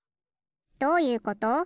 どういうこと？